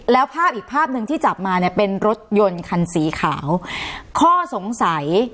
แล้วภาพอีกภาพหนึ่งที่จับมาเนี่ยเป็นรถยนต์คันสีขาวข้อสงสัย